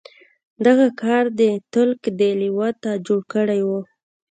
دغه کار دی تلک دې لېوه ته جوړ کړی و.